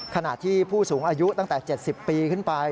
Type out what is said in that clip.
ขณะที่ผู้สูงอายุตั้งแต่๗๐ปีขึ้นไป